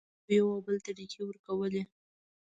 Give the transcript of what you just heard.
ځینو خلکو یو او بل ته ډیکې ورکولې.